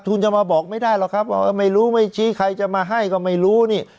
คุณจะมาบอกไม่ได้หรอกครับว่าไม่รู้ไม่ชี้ใครจะมาให้ก็ไม่รู้นี่